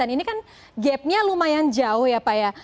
ini kan gapnya lumayan jauh ya pak ya